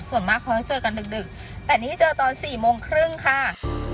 ส่วนมากเขาจะเจอกันดึกแต่นี่เจอตอน๔โมงครึ่งค่ะ